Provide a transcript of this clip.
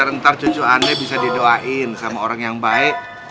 biar ntar cucu ana bisa didoain sama orang yang baik